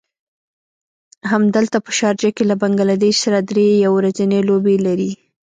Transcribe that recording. همدلته په شارجه کې له بنګله دېش سره دری يو ورځنۍ لوبې لري.